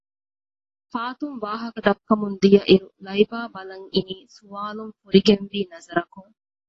ފާތުން ވާހަކަ ދައްކަމުންދިޔައިރު ލައިބާ ބަލަންއިނީ ސުވާލުން ފުރިގެންވީ ނަޒަރަކުން